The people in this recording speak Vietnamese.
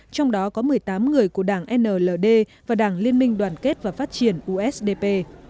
trong đó có một mươi tám người của đảng nld và đảng liên minh đoàn kết và phát triển usdp